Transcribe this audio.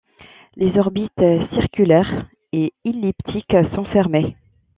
Les orbites circulaires et elliptiques sont fermées.